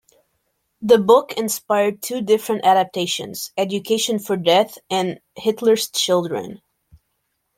The book inspired two different adaptations; "Education for Death" and "Hitler's Children".